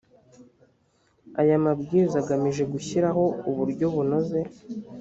aya mabwiriza agamije gushyiraho uburyo bunoze.